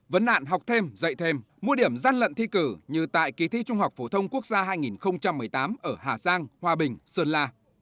vấn nạn học thêm dạy thêm mua điểm gian lận thi cử như tại ký thi trung học phổ thông quốc gia hai nghìn một mươi tám ở hà giang hòa bình sơn la